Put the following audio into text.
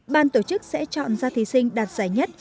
ban tổ chức sẽ chọn ra thí sinh đạt giải nhất